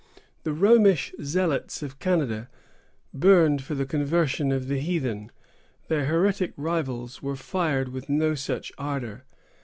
The Romish zealots of Canada burned for the conversion of the heathen; their heretic rivals were fired with no such ardor.